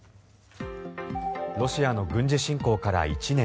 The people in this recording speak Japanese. ロシアの軍事侵攻から１年。